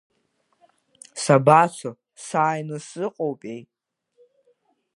Сабацо, сааины сыҟоупеи!